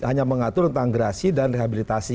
hanya mengatur tentang gerasi dan rehabilitasi